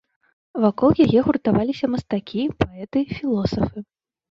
Вакол яе гуртаваліся мастакі, паэты, філосафы.